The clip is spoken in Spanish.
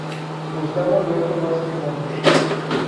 Gustavo Alberto Vázquez Montes.